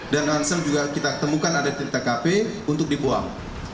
dan hansel juga kita temukan ada di tkp untuk dibuang